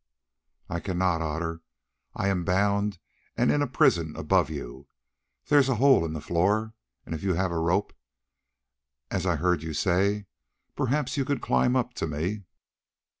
"I cannot, Otter; I am bound and in a prison above you. There is a hole in the floor, and if you have a rope, as I heard you say, perhaps you could climb up to me."